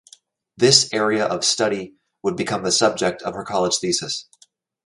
This area of study would become the subject of her college thesis.